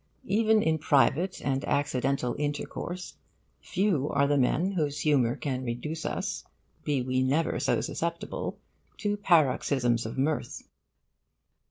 Even in private and accidental intercourse, few are the men whose humour can reduce us, be we never so susceptible, to paroxysms of mirth.